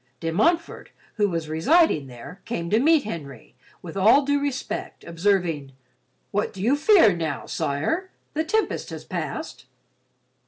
De Montfort, who was residing there, came to meet Henry, with all due respect, observing, 'What do you fear, now, Sire, the tempest has passed?